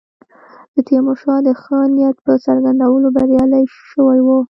د تیمورشاه د ښه نیت په څرګندولو بریالي شوي وو.